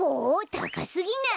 たかすぎない？